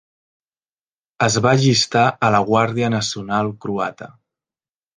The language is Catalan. Es va llistar a la Guàrdia Nacional Croata.